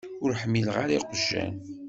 Ur ḥmileɣ ara iqjan.